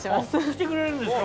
来てくれるんですか？